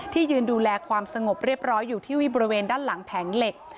ยืนดูแลความสงบเรียบร้อยอยู่ที่บริเวณด้านหลังแผงเหล็ก